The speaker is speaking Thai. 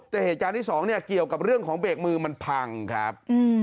แต่เหตุการณ์ที่สองเนี่ยเกี่ยวกับเรื่องของเบรกมือมันพังครับ